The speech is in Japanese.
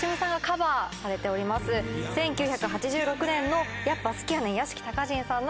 １９８６年の『やっぱ好きやねん』